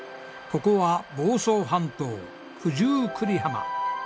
ここは房総半島九十九里浜。